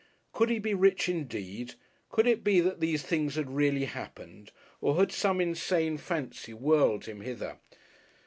Could he be rich indeed? Could it be that these things had really happened? Or had some insane fancy whirled him hither?